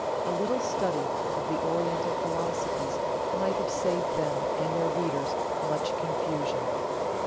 A little study of the Oriental philosophies might have saved them and their readers much confusion.